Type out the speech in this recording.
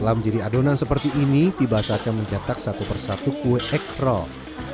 kebenaran seperti ini tiba saatnya mencetak satu persatu kue ekrol